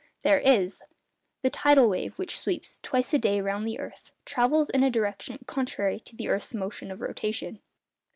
There is. The tidal wave, which sweeps, twice a day, round the earth, travels in a direction contrary to the earth's motion of rotation.